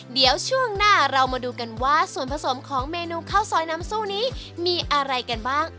เดี๋ยวช่วงหน้าเรามาดูกันว่าส่วนผสมของเมนูข้าวซอยน้ำซู่นี้มีอะไรกันบ้าง